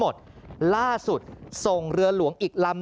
มันก็เลยเกิดการโครงหนักจนเรือมีรอยลั่วนะครับ